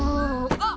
あっ！